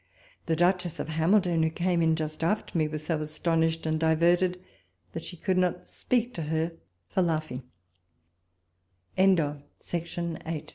The Duchess of Hamilton, who came in just after me, was so astonished and diverted, that she could not speak to her for lau